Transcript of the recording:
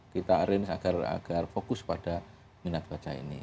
kita arrange agar fokus pada minat baca ini